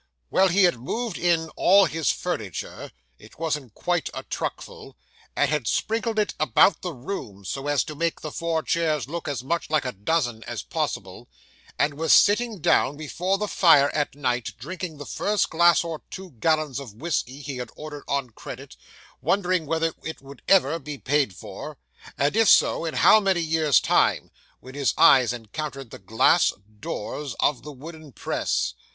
Well, he had moved in all his furniture it wasn't quite a truck full and had sprinkled it about the room, so as to make the four chairs look as much like a dozen as possible, and was sitting down before the fire at night, drinking the first glass of two gallons of whisky he had ordered on credit, wondering whether it would ever be paid for, and if so, in how many years' time, when his eyes encountered the glass doors of the wooden press.